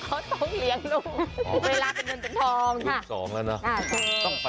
เขาต้องเลี้ยงลูกเวลาเป็นเงินจนทองค่ะ